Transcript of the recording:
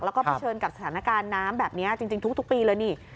แล้วก็เผชิญกับสถานการณ์น้ำแบบนี้จริงทุกปีเลยนี่